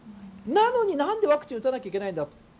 なのになんでワクチンを打たなきゃいけないんだと。